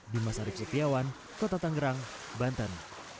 dimas arief setiawan kota tangerang banten